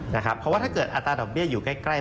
เพราะว่าถ้าเกิดอัตราดอกเบี้ยอยู่ใกล้